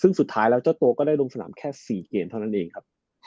ซึ่งสุดท้ายแล้วเจ้าตัวก็ได้ลงสนามแค่๔เกมเท่านั้นเองครับ